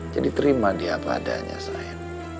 jadi terima dia padanya sayang